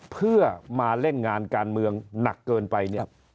เพื่อมาเล่นงานการเมืองหนักเกินไปเนี่ย